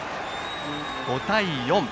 ５対４。